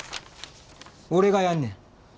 俺がやんねん。